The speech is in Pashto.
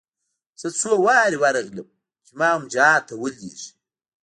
زه څو وارې ورغلم چې ما هم جهاد ته ولېږي.